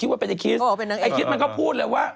หมดเวลาไม่ต้องเอาแล้ว